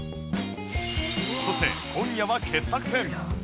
そして今夜は傑作選